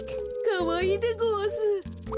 かわいいでごわす。